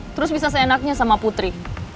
terus bisa seenaknya sama putri